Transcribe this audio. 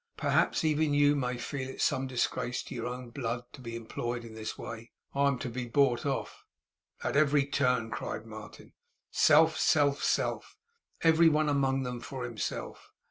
Perhaps even you may feel it some disgrace to your own blood to be employed in this way. I'm to be bought off.' 'At every turn!' cried Martin. 'Self, self, self. Every one among them for himself!